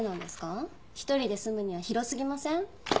一人で住むには広すぎません？